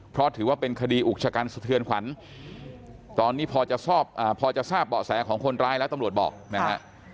เพราะถือว่าเป็นคดีอุกชะกันสะเทือนขวัญตอนนี้พอจะทราบเบาะแสของคนร้ายแล้วตำรวจบอกนะฮะ